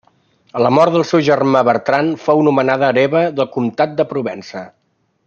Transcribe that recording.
A la mort del seu germà Bertran fou nomenada hereva del comtat de Provença.